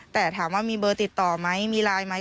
แต่ถามว่ามีเบอร์ติดต่อไหมมีไลน์ไหม